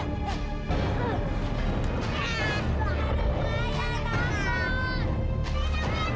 tidak bisa tahu